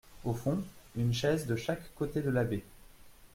Au fond, une chaise de chaque côté de la baie.